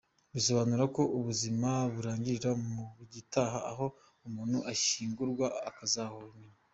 bisobanuye ko ubuzima burangirira mu gitaka aho umuntu ashyingurwa, akazahaborera.